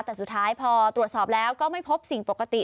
แต่สุดท้ายพอตรวจสอบแล้วก็ไม่พบสิ่งปกติ